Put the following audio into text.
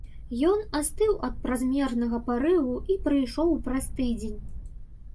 Ён астыў ад празмернага парыву і прыйшоў праз тыдзень.